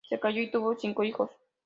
Se casó y tuvo cinco hijos.